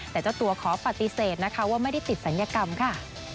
แต่เจ้าตัวขอปฏิเสธนะคะว่าไม่ได้ติดศัลยกรรมค่ะ